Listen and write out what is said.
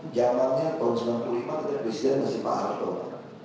jalannya tahun seribu sembilan ratus sembilan puluh lima tetapi izinnya masih mahal pak